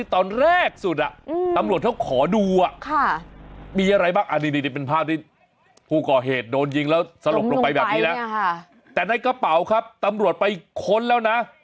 ตอนแรกสุดตำรวจเขาขอดูมีอะไรบ้างอันนี้เป็นภาพที่ผู้ก่อเหตุโดนยิงแล้วสลบลงไปแบบนี้นะแต่ในกระเป๋าครับตำรวจไปค้นแล้วนะ